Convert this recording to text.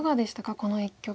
この一局。